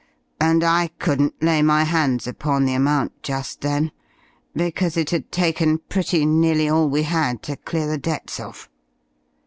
And I couldn't lay my hands upon the amount just then, because it had taken pretty nearly all we had to clear the debts off."